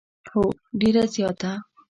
هو، ډیره زیاته